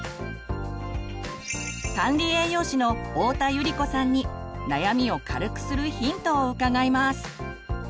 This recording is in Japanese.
管理栄養士の太田百合子さんに悩みを軽くするヒントを伺います。